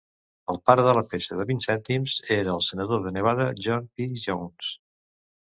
El pare de la peça de vint cèntims era el Senador de Nevada John P. Jones.